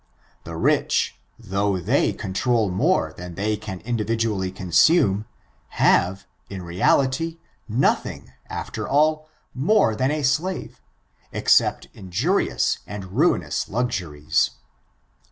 The rich, though they control more than they can individually consume, have, in reality, nothing, after all, more than a slave, except injurious and ruinous luxuries.